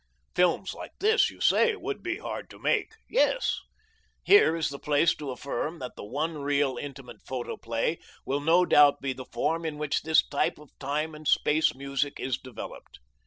Films like this, you say, would be hard to make. Yes. Here is the place to affirm that the one reel Intimate Photoplay will no doubt be the form in which this type of time and space music is developed.